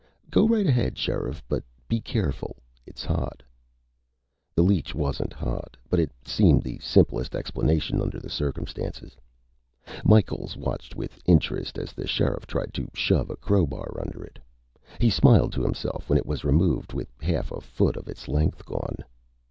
"Go right ahead, Sheriff. But be careful. It's hot." The leech wasn't hot, but it seemed the simplest explanation under the circumstances. Micheals watched with interest as the sheriff tried to shove a crowbar under it. He smiled to himself when it was removed with half a foot of its length gone.